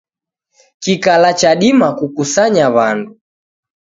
Kikala chadima kukusanya w'andu.